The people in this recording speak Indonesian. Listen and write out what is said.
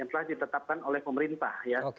yang telah ditetapkan oleh pemerintah ya